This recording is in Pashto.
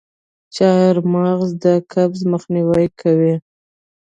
چارمغز د قبض مخنیوی کوي.